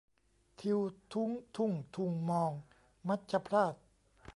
ทิวทุ้งทุ่งทุงมอง มัจฉพราศ